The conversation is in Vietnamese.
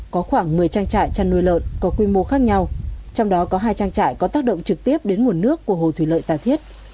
có khoảng một mươi trang trại chăn nuôi lợn có quy mô khác nhau trong đó có hai trang trại có tác động trực tiếp đến nguồn nước của hồ thủy lợi tà thiết